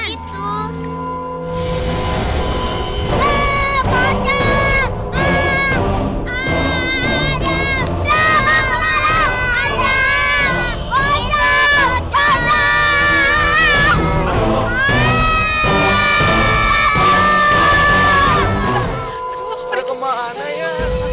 itu kemana ya